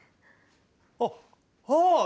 あっああっ！